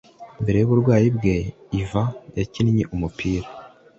Mbere y'uburwayi bwe, Ivan yakinnye umupira,